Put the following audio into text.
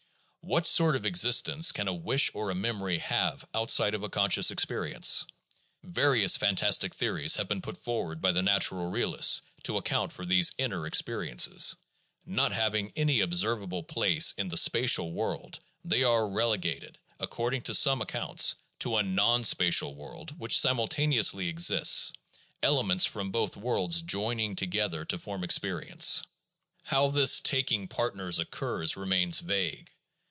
What sort of existence can a wish or a memory have outside of a conscious experience ? Various fantastic theories have been put forward by the natural realists to ac count for these "inner" experiences; not having any observable place in the spatial world, they are relegated, according to some ac counts, to a non spatial world which simultaneously exists, elements from both worlds joining together to form experience. How this 372 THE JOURNAL OF PHILOSOPHY taking partners occurs remains vague.